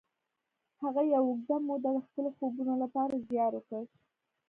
هغه یوه اوږده موده د خپلو خوبونو لپاره زیار وکیښ